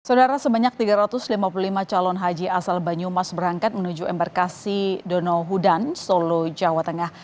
saudara sebanyak tiga ratus lima puluh lima calon haji asal banyumas berangkat menuju embarkasi donohudan solo jawa tengah